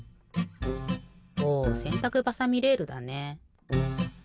おせんたくばさみレールだね。